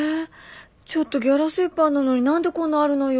ちょっとギャラ折半なのに何でこんなあるのよ。